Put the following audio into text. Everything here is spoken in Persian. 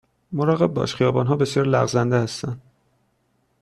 مراقب باش، خیابان ها بسیار لغزنده هستند.